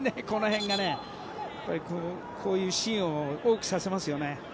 この辺がね、こういうシーンを多くさせますよね。